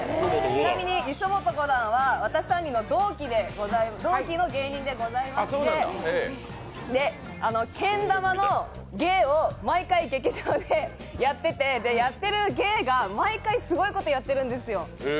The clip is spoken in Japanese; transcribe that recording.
ちなみに磯本五段は私とあんりの同期の芸人でございましてけん玉の芸を毎回、劇場でやっていてやっている芸が毎回すごいことをやっているんですよ。